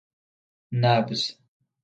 نبض